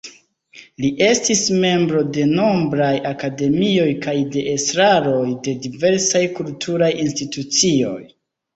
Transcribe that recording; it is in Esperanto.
Li estis membro de nombraj akademioj kaj de estraroj de diversaj kulturaj institucioj.